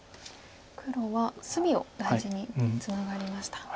黒は隅を大事にツナがりました。